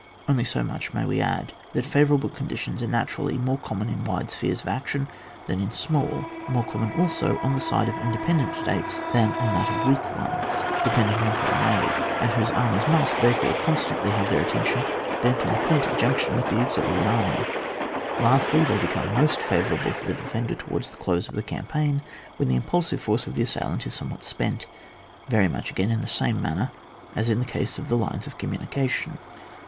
Only so much we may add, that favour able conditions are naturally more com mon in wide spheres of action than in small ; more common, also, on the side of independent states than on that of weak ones, dependent on foreign aid, and whose armies must, therefore, con stantly have their attention bent on the point of junction with the auxiliary army ; lastly, they become most favorable for the defender towards the close of the campaign, when the impulsive force of the assailant is somewhat spent; very much, again, in the same manner as in the case of the lines of communication. CHAP. xxr7.J OPERATIXO AGAIXST A FLANK.